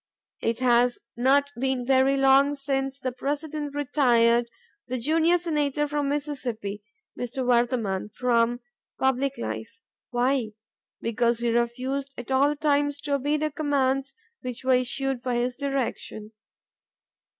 It has not been very long since the President retired the junior Senator from Mississippi [Mr. Vardaman] from public life. Why? Because he refused at all times to obey the commands which were issued for his direction.